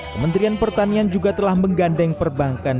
kementerian pertanian juga telah menggandeng perbankan